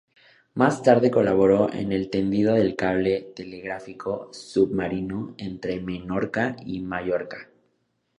Más tarde colaboró en el tendido del cable telegráfico submarino entre Menorca y Mallorca.